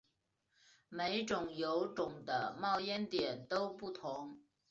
每种油种的冒烟点都不同。